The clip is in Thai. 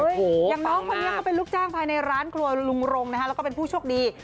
อย่างน้องคนนี้เขาเป็นลูกจ้างภายในร้านครัวลุงรงนะคะแล้วก็เป็นผู้โชคดี